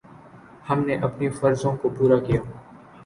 ہم نے اپنے فرضوں کو پورا کیا۔